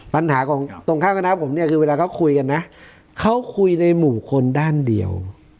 ปัญหาของตรงข้างคณะผมเนี่ยคือเวลาเขาคุยกันนะเขาคุยในหมู่คนด้านเดียว